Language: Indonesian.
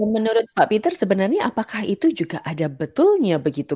menurut pak peter sebenarnya apakah itu juga ada betulnya begitu